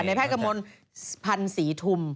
ในแพทย์กะมนต์พันศรีทุ่ม